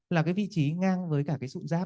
là cái vị trí ngang với cả cái sụn rác